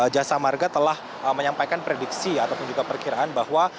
jasa marga telah menyampaikan prediksi ataupun juga perkiraan bahwa